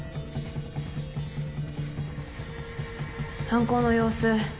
犯行の様子